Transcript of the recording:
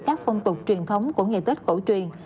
các phong tục truyền thống của ngày tết cổ truyền